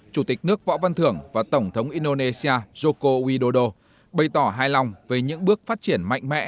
chủ tịch nước võ văn thưởng và tổng thống indonesia joko widodo bày tỏ hài lòng về những bước phát triển mạnh mẽ